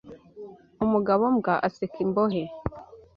Umugabo mbwa aseka imbohe